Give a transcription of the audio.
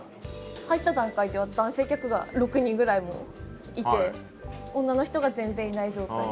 入った段階で男性客が６人ぐらいもういて女の人が全然いない状態。